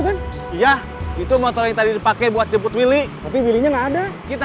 kan iya itu motor yang tadi dipakai buat jemput willy tapi willnya nggak ada kita